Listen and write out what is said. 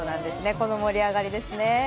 この盛り上がりですね。